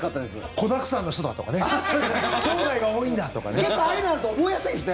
子だくさんの人だとかねきょうだいが多いんだとかね。